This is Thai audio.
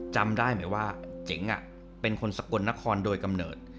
จำได้ไหมว่าเจ๋งเป็นคนสกลนครโดยกำเนิด